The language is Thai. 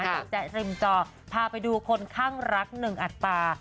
แจ๊ริมจอพาไปดูคนข้างรักหนึ่งอัตรา